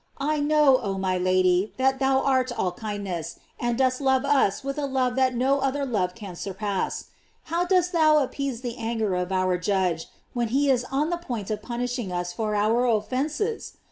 I know, oh my Lady, that thou art all kindness, and dost love us with a love that no other love can surpass. How dost thou appease the anger of our Judge when he is on the point of punishing us for our offences!